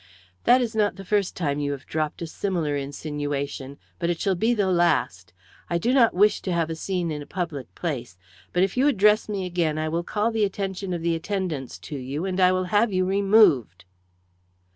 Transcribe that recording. "That is not the first time you have dropped a similar insinuation. But it shall be the last. I do not wish to have a scene in a public place, but if you address me again I will call the attention of the attendants to you, and I will have you removed."